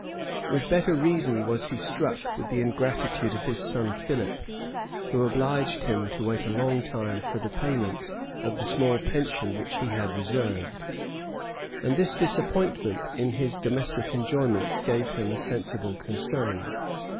With better reason was he struck with the ingratitude of his son Philip, who obliged him to wait a long time for the payment of the small pension which he had reserved, and this disappointment in his domestic enjoyments gave him a sensible concern.